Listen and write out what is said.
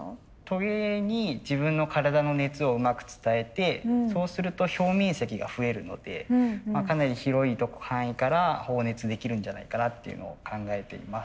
トゲに自分の体の熱をうまく伝えてそうすると表面積が増えるのでかなり広い範囲から放熱できるんじゃないかなっていうのを考えています。